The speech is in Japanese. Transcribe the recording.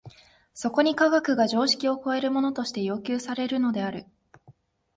そこに科学が常識を超えるものとして要求されるのである。